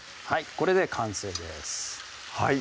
これで完成です